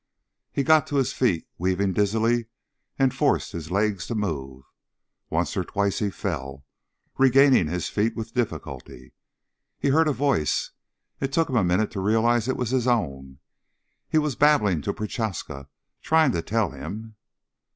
He got to his feet, weaving dizzily, and forced his legs to move. Once or twice he fell, regaining his feet with difficulty. He heard a voice. It took him a minute to realize it was his own. He was babbling to Prochaska, trying to tell him